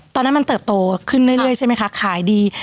ตอนนั้นมันเติบโตขึ้นเรื่อยใช่ไหมคะขายดี